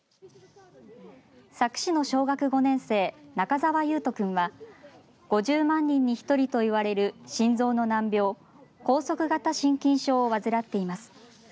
佐久市の小学５年生中澤維斗君は５０万人に１人といわれる心臓の難病拘束型心筋症を患っています。